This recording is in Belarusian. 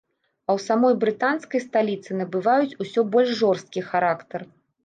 А ў самой брытанскай сталіцы набываюць усё больш жорсткі характар.